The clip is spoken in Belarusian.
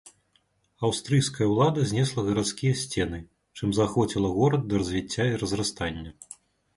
Аўстрыйская ўлада знесла гарадскія сцены, чым заахвоціла горад да развіцця і разрастання.